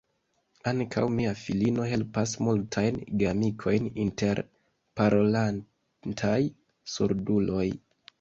Ankaŭ mia filino helpas multajn geamikojn inter parolantaj surduloj.